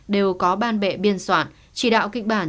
đều có ban bệ biên soạn chỉ đạo kịch bản